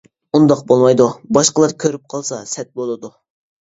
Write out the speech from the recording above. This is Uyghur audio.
-ئۇنداق بولمايدۇ، باشقىلار كۆرۈپ قالسا سەت بولىدۇ.